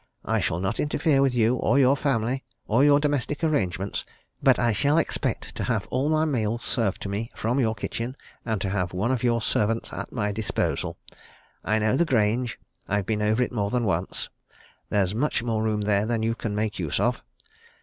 I shall not interfere with you or your family, or your domestic arrangements, but I shall expect to have all my meals served to me from your kitchen, and to have one of your servants at my disposal. I know the Grange I've been over it more than once. There's much more room there than you can make use of.